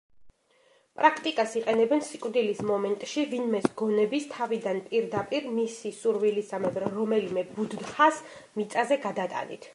პრაქტიკას იყენებენ სიკვდილის მომენტში, ვინმეს გონების თავიდან პირდაპირ, მისი სურვილისამებრ, რომელიმე „ბუდდჰას მიწაზე“ გადატანით.